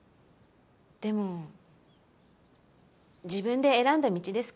でも自分で選んだ道ですから。